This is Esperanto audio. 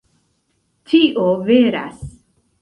Tio veras.